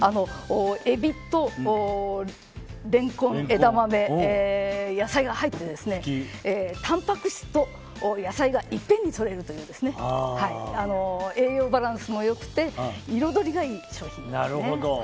エビとレンコン枝豆、野菜が入ってたんぱく質と野菜がいっぺんに摂れるという栄養バランスも良くて彩りがいい商品ですね。